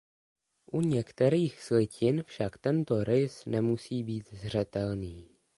U některých slitin však tento rys nemusí být zřetelný.